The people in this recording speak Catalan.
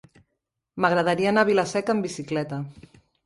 M'agradaria anar a Vila-seca amb bicicleta.